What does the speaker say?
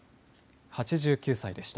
８９歳でした。